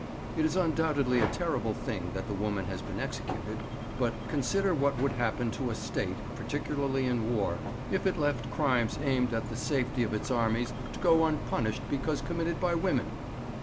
It is undoubtedly a terrible thing that the woman has been executed; but consider what would happen to a State, particularly in war, if it left crimes aimed at the safety of its armies to go unpunished because committed by women.